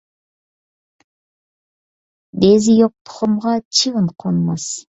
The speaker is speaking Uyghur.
دېزى يوق تۇخۇمغا چىۋىن قونماس.